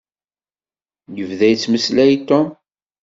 Yebda yettmeslay Tom.